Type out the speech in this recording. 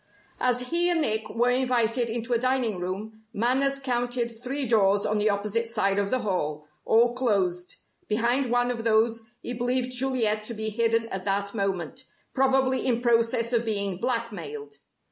As he and Nick were invited into a dining room, Manners counted three doors on the opposite side of the hall, all closed. Behind one of those he believed Juliet to be hidden at that moment, probably in process of being blackmailed.